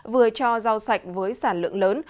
vừa cho rau sạch với sản lượng lớn